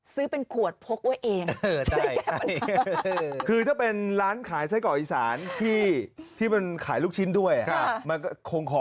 ซื้อเป็นขวดพกไว้เอง